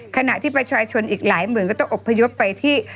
ขณะที่ประชาชนอีกหลายหมื่นก็ต้องอบพยพไปที่